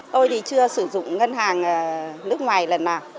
tôi thì chưa sử dụng ngân hàng nước ngoài lần nào